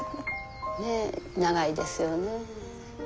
ねえ長いですよね。